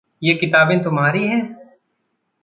ये किताबें तुम्हारी हैं।